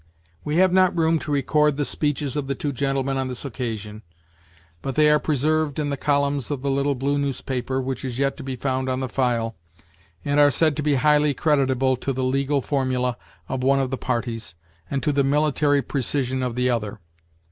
We have not room to record the speeches of the two gentlemen on this occasion, but they are preserved in the columns of the little blue newspaper, which is yet to be found on the file, and are said to be highly creditable to the legal formula of one of the parties, and to the military precision of the other.